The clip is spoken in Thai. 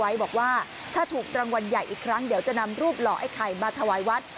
บอกว่าถ้าถูกรางวัลใหญ่อีกครั้งเดี๋ยวจะนำรูปหล่อไอ้ไข่มาถวายวัด